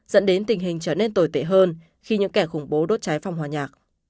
dẫn đến tình hình trở nên tồi tệ hơn khi những kẻ khủng bố đốt cháy phong hòa nhạc